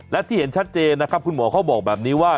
และที่เห็นชัดเจนนะครับคุณหมอเขาบอกแบบนี้ว่า